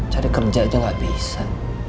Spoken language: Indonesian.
cari kerja aja gak bisa